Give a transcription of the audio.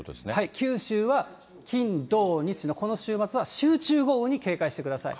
九州は金、土、日のこの週末は集中豪雨に警戒してください。